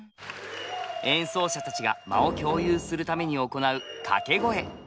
演奏者たちが間を共有するために行う掛け声。